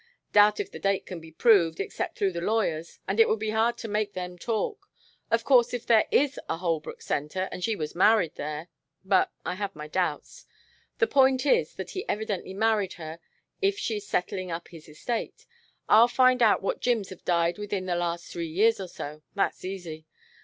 Doubt if the date can be proved except through the lawyers, and it will be hard to make them talk. Of course if there is a Holbrook Centre and she was married there but I have my doubts. The point is that he evidently married her if she is settlin' up his estate. I'll find out what Jims have died within the last three years or so. That's easy.